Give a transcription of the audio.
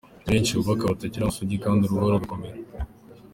Ni benshi bubaka batakiri amasugi kandi urugo rugakomera.